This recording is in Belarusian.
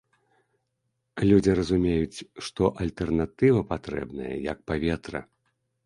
Людзі разумеюць, што альтэрнатыва патрэбная, як паветра!